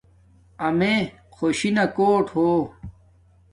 اݸ میے خوشی نا کوٹ ہو